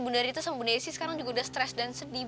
bunda rita sama bunda isi sekarang udah stress dan sedih banget ter